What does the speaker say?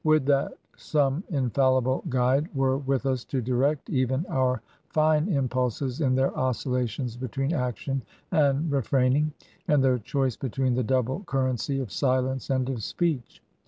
Would that some infallible guide were with us to direct even our fine impulses in their oscillations between action and refrain ing, and their choice between the double currency of silence and of speech